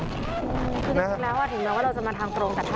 คือจริงแล้วถึงแม้ว่าเราจะมาทางตรงแต่ถ้า